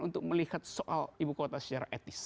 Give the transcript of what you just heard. untuk melihat soal ibu kota secara etis